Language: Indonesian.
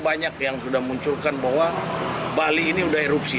banyak yang sudah munculkan bahwa bali ini sudah erupsi